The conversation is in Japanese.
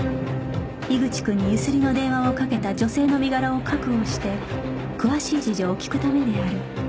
井口君にゆすりの電話をかけた女性の身柄を確保して詳しい事情を聞くためである